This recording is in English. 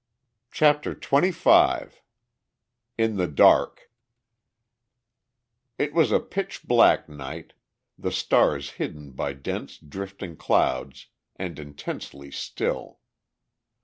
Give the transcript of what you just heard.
CHAPTER XXV IN THE DARK It was a pitch black night, the stars hidden by dense drifting clouds, and intensely still.